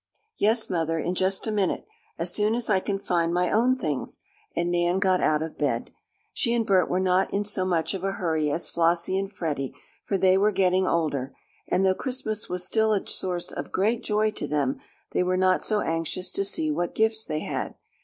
"Yes, mother, in just a minute. As soon as I can find my own things," and Nan got out of bed. She and Bert were not in so much of a hurry as Flossie and Freddie for they were getting older, and though Christmas was still a source of great joy to them they were not so anxious to see what gifts they had.